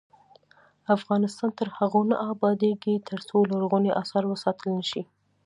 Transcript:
افغانستان تر هغو نه ابادیږي، ترڅو لرغوني اثار وساتل نشي.